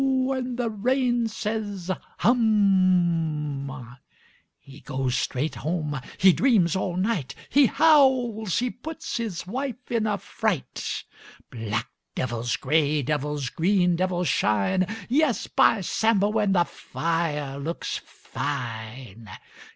" and the rain says, « Hum !" He goes straight home. He dreams all night. He howls. He puts his wife in a fright. Black devils, grey devils, green devils shine — Yes, by Sambo, And the fire looks fine!